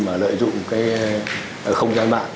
mà lợi dụng cái không gian mạng